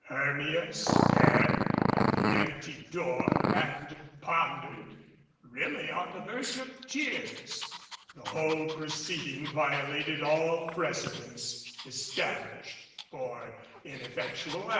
Hermia stared at the empty door and pondered really on the verge of tears. The whole proceeding vio lated all precedents established for ineffectual aunts.